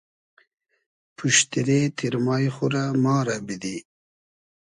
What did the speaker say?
پوشتیرې تیرمای خو رۂ ما رۂ بیدی